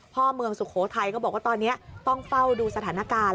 เมืองสุโขทัยก็บอกว่าตอนนี้ต้องเฝ้าดูสถานการณ์